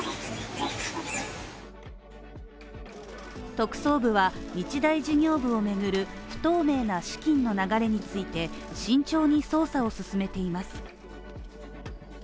特捜部は、日大事業部をめぐる不透明な資金の流れについて慎重に捜査を進めています。